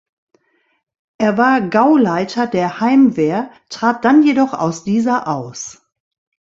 Er war Gauleiter der Heimwehr, trat dann jedoch aus dieser aus.